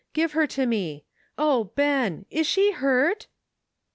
give her to me. O, Ben! is she hurt?"